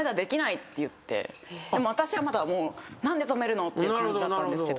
でも私はまだ何で止めるの！って感じだったんですけど